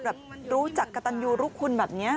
แบบรู้จักกระตันยูรุคุณแบบนี้